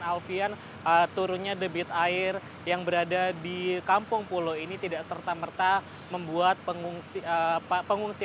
alfian turunnya debit air yang berada di kampung pulau ini tidak serta merta membuat pengungsi